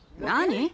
何？